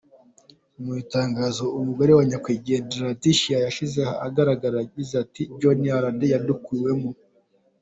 Mu itangazo umugore wa Nyakwigendera Laeticia yashyize ahagaragara yagize ati "Johnny Hallday yadukuwemo.